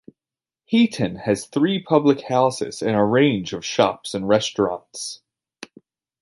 Heaton has three public houses and a range of shops and restaurants.